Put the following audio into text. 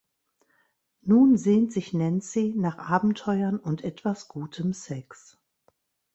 Nun sehnt sich Nancy nach Abenteuern und etwas gutem Sex.